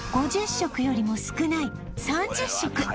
食よりも少ない３０食